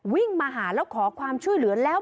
วิ่งมาหาแล้วขอความช่วยเหลือแล้ว